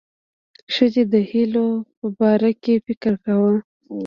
ښځې د هیلو په باره کې فکر کاوه.